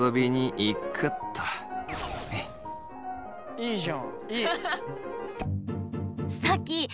いいじゃんいい。